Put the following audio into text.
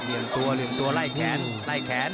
เหลี่ยมตัวเหลี่ยมตัวไล่แขนไล่แขน